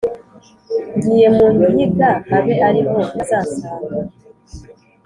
“ngiye mu nkiga abe ari ho bazansanga,